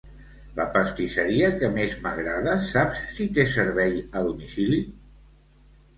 La pastisseria que més m'agrada, saps si té servei a domicili?